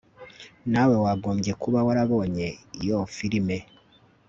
Nawe wagombye kuba warabonye iyo firime